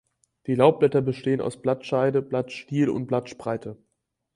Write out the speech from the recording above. Die Laubblätter bestehen aus Blattscheide, Blattstiel und Blattspreite.